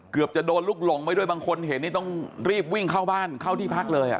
เกือบจะโดนลูกหลงไปด้วยบางคนเห็นนี่ต้องรีบวิ่งเข้าบ้านเข้าที่พักเลย